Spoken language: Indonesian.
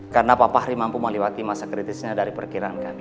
karena papa theory mampu melewati masa kritisnya dari perkiraan kami